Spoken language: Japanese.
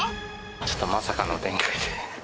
ちょっとまさかの展開で。